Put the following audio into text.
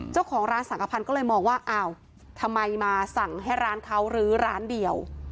เจ้าของร้านสังขพันธ์ก็เลยมองว่าอ้าวทำไมมาสั่งให้ร้านเขารื้อร้านเดียว